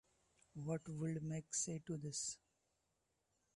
What would Meg say to this?